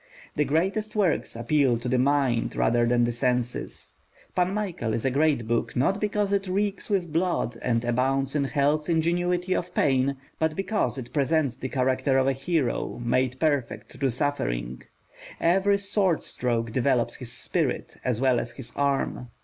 The greatest works appeal to the mind rather than the senses. Pan Michael is a great book, not because it reeks with blood and abounds in hell's ingenuity of pain, but because it presents the character of a hero made perfect through suffering; every sword stroke develops his spirit as well as his arm.